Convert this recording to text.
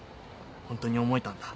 ホントに思えたんだ。